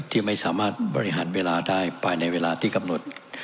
ที่ไม่สามารถบริหารเวลาได้ภายในเวลาที่กำหนด